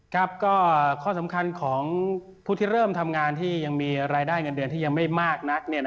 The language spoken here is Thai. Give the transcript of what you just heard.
ครับก็ข้อสำคัญของผู้ที่เริ่มทำงานที่ยังมีรายได้เงินเดือนที่ยังไม่มากนัก